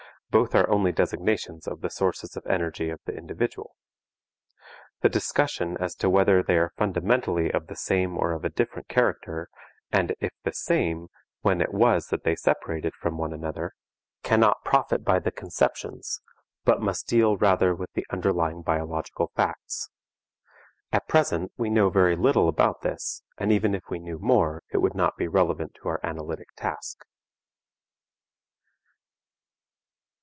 Both are only designations of the sources of energy of the individual. The discussion as to whether they are fundamentally of the same or of a different character, and if the same, when it was that they separated from one another, cannot profit by the conceptions, but must deal rather with the underlying biological facts. At present we know very little about this, and even if we knew more it would not be relevant to our analytic task.